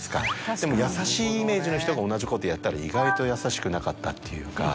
でも優しいイメージの人が同じことをやったら意外と優しくなかったっていうか。